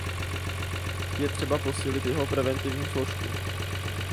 Je třeba posílit jeho preventivní složku.